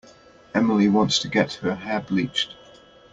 Emily wants to get her hair bleached.